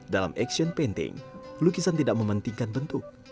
dalam action painting lukisan tidak mementingkan bentuk